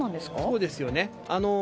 そうですよね。